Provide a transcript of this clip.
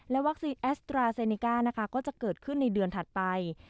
วัคซีนแอสตราเซเนก้านะคะก็จะเกิดขึ้นในเดือนถัดไป